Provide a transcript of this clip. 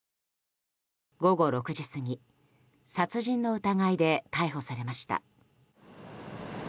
午後６時過ぎ殺人の疑いで逮捕されました。